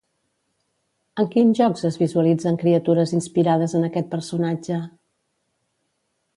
En quins jocs es visualitzen criatures inspirades en aquest personatge?